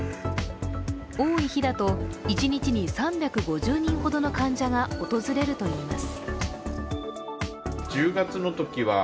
多い日だと一日に３５０人ほどの患者が訪れるといいます。